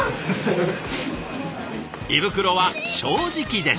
胃袋は正直です。